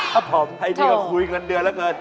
ถ้าผมใครที่จะฝูกอันเดือนละเกิน